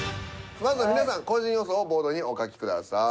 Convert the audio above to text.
まずは皆さん個人予想をボードにお書きください。